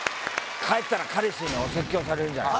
帰ったら彼氏にお説教されるんじゃない？